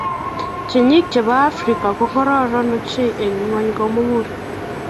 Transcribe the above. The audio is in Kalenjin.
Tienii che bo Afrika ko ororon ochei eng ng'ony komugul.